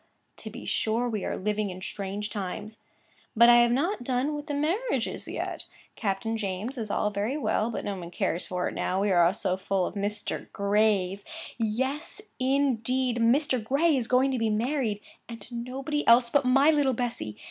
to be sure, we are living in strange times! 'But I have not done with the marriages yet. Captain James's is all very well, but no one cares for it now, we are so full of Mr. Gray's. Yes, indeed, Mr. Gray is going to be married, and to nobody else but my little Bessy!